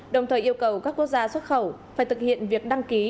đồng thời yêu cầu các quốc gia xuất khẩu phải thực hiện việc đăng ký